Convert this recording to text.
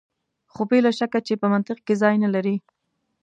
خو بې له شکه چې په منطق کې ځای نه لري.